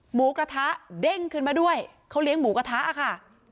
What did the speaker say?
หมูกระทะเด้งขึ้นมาด้วยเขาเลี้ยงหมูกระทะค่ะ